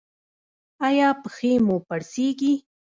ایا پښې مو پړسیږي؟